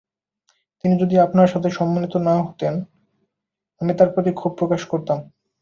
তিনি যদি আপনার কাছে সম্মানিত না হতেন তাহলে আমি তাঁর প্রতি ক্ষোভ প্রকাশ করতাম।